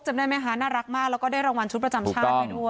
จำได้แม่ฮาน่ารักมากก็ได้รางวัลชุดประจำชาติด้วย